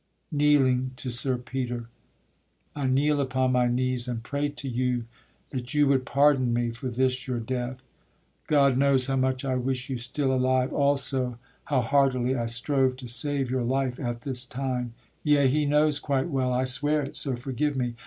[Kneeling to Sir Peter. Fair sir knight I kneel upon my knees and pray to you That you would pardon me for this your death; God knows how much I wish you still alive, Also how heartily I strove to save Your life at this time; yea, he knows quite well, (I swear it, so forgive me!)